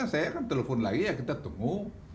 saya akan telepon lagi ya kita tunggu